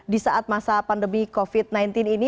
di saat masa pandemi covid sembilan belas ini